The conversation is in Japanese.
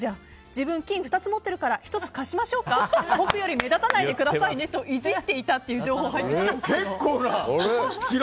自分は金、２つ持っているから１つ貸しましょうか僕より目立たないでくださいねって、イジっていたという結構な。